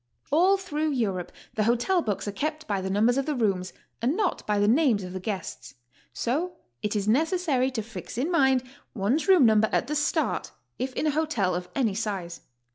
All through Europe the hotel books are kept by the num bers of the rooms and not by the names of the guests. So it is necessary to fix in mind one's room number at the start, if in a hotel of any size.